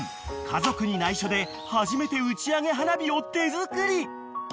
家族に内緒で初めて打ち上げ花火を手作り］